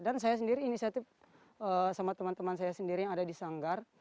dan saya sendiri inisiatif sama teman teman saya sendiri yang ada di sanggar